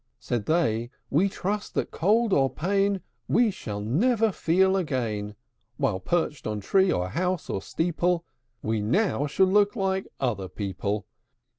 Said they, "We trust that cold or pain We shall never feel again; While, perched on tree or house or steeple, We now shall look like other people.